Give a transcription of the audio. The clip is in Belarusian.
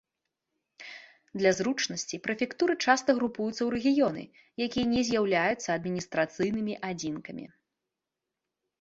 Для зручнасці прэфектуры часта групуюцца ў рэгіёны, якія не з'яўляюцца адміністрацыйнымі адзінкамі.